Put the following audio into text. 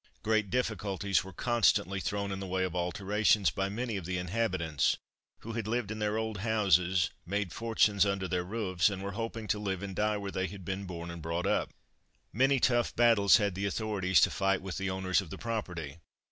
Great difficulties were constantly thrown in the way of alterations by many of the inhabitants, who had lived in their old houses, made fortunes under their roofs, and were hoping to live and die where they had been born and brought up. Many tough battles had the authorities to fight with the owners of the property.